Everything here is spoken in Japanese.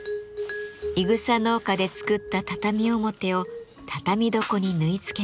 いぐさ農家で作った畳表を畳床に縫い付けます。